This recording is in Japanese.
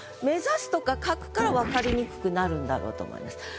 「目指す」とか書くから分かりにくくなるんだろうと思います。